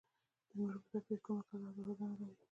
د نورو په توپیر کومه کلا او دروازه نه لري.